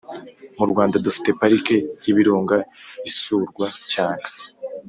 Murwanda dufite parike yibirunga isurwa cyane